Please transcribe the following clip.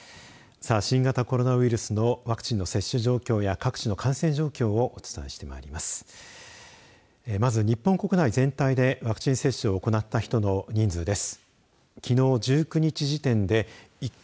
さあ、新型コロナウイルスのワクチンの接種状況や各地の感染状況をお伝えしてまいります。